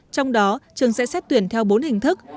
trong đó trường sẽ xét tuyển theo bốn hình thức